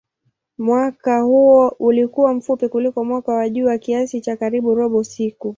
Mwaka huo ulikuwa mfupi kuliko mwaka wa jua kiasi cha karibu robo siku.